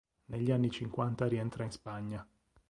Negli anni Cinquanta rientra in Spagna.